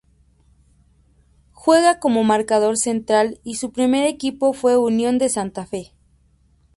Juega como marcador central y su primer equipo fue Unión de Santa Fe.